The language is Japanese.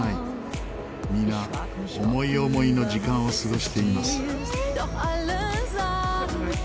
皆思い思いの時間を過ごしています。